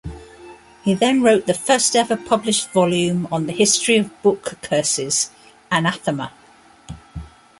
He then wrote the first-ever published volume on the history of book curses, Anathema!